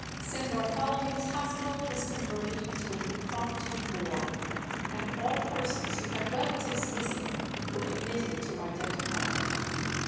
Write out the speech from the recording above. St. Bartholomew's Hospital was converted into an impromptu Morgue, and all persons who had relatives missing were admitted to identify them.